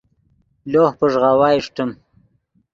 لوہ پݱغاؤا اݰٹیم